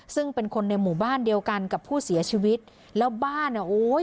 ซึ่งเป็นคนในหมู่บ้านเดียวกันกับผู้เสียชีวิตแล้วบ้านอ่ะโอ้ย